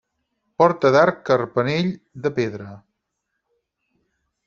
Porta d'arc carpanell, de pedra.